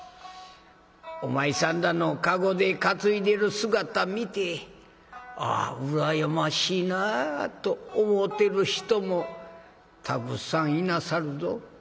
お前さんらの駕籠で担いでる姿見てあ羨ましいなあと思うてる人もたくさんいなさるぞ。